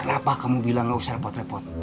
kenapa kamu bilang gak usah repot repot